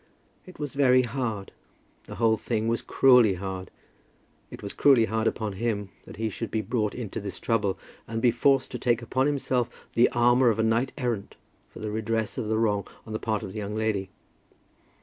It was very hard. The whole thing was cruelly hard. It was cruelly hard upon him that he should be brought into this trouble, and be forced to take upon himself the armour of a knight errant for the redress of the wrong on the part of the young lady.